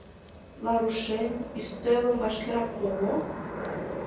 — Ларушем, ӱстелым вашкерак пого.